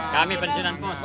kami pensiunan pos